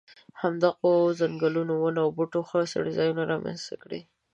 همدغو ځنګلونو ونو او بوټو ښه څړځایونه را منځته کړي.